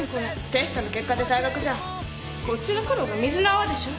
テストの結果で退学じゃこっちの苦労が水の泡でしょ。